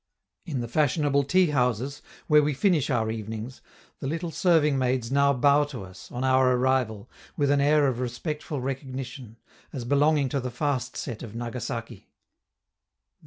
In the fashionable tea houses, where we finish our evenings, the little serving maids now bow to us, on our arrival, with an air of respectful recognition, as belonging to the fast set of Nagasaki.